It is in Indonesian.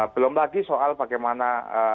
belum lagi soal bagaimana